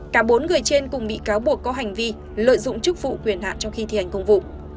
cả bốn người trên cùng bị cáo buộc có hành vi lợi dụng chức vụ quyền hạn trong khi thi hành công vụ